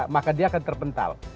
maka dia akan terpental